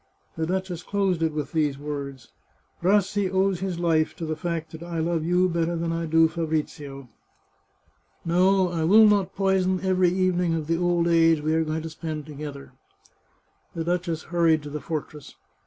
The duchess closed it with these words :" Rassi owes his life to the fact that I love you better than I do Fabrizio. No ; I will not 464 The Chartreuse of Parma poison every evening of the old age we are going to spend together." The duchess hurried to the fortress.